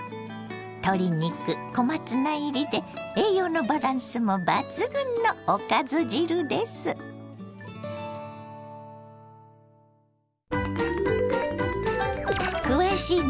鶏肉小松菜入りで栄養のバランスも抜群のおかず汁です。